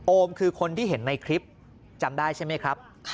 คือคนที่เห็นในคลิปจำได้ใช่ไหมครับ